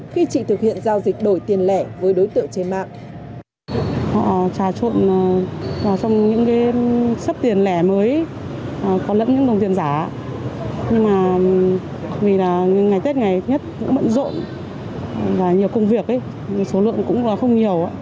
khi chị thực hiện giao dịch đổi tiền lẻ với đối tượng trên mạng